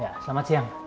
ya selamat siang